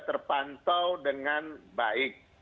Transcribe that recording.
terpantau dengan baik